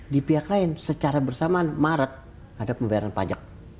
di pihak lain secara bersamaan maret ada pembayaran pajak